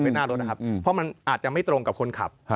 ในหน้ารถว่ามันอาจจะไม่ตรงกับคนขับ